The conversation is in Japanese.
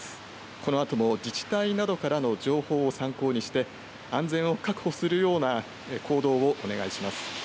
このあとも自治体などからの情報を参考にして、安全を確保するような行動をお願いします。